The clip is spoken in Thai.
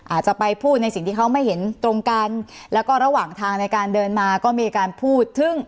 อาจจะไปพูดในสิ่งที่เขาไม่เห็นตรงกันแล้วก็ระหว่างทางในการเดินมาก็มีการพูดถึง